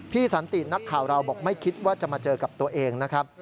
สันตินักข่าวเราบอกไม่คิดว่าจะมาเจอกับตัวเองนะครับ